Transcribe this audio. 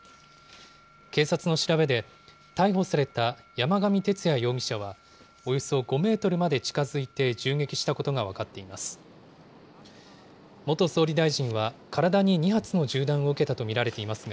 警察の調べで、逮捕された山上徹也容疑者は、およそ５メートルまで近づいて銃撃したことが分かっています。